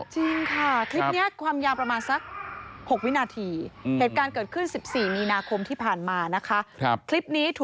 จริงค่ะคลิปนี้ความยาประมาณสัก๖วินาที